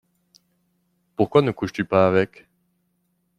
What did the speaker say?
Pourquoi ne couches-tu pas avec ?